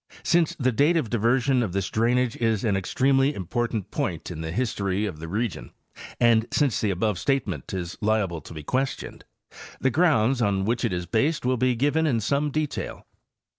Since the date of diversion of this drainage is an extremely im portant point in the history of the region and since the above statement is hable to be questioned, the grounds on which it is based will be given in some detail.